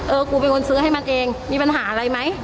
กูเป็นคนซื้อให้มันเองมีปัญหาอะไรไหม